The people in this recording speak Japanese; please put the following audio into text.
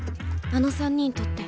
あの３人撮って。